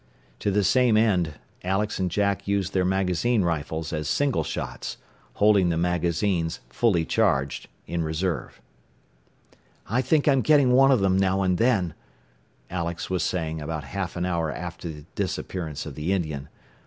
To the same end, Alex and Jack used their magazine rifles as single shots, holding the magazines, fully charged, in reserve. "I think I'm getting one of them now and then," Alex was saying about half an hour after the disappearance of the Indian.